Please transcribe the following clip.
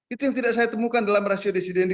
itu yang tidak saya temukan dalam rasio desidendi